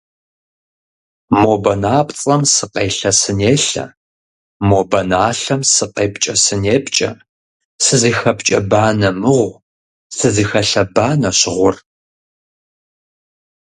Мо банапцӀэм сыкъелъэ-сынелъэ, мо баналъэм сыкъепкӀэ-сынепкӀэ, сызыхэпкӀэ банэ мыгъу, сызыхэлъэ банэщ гъур.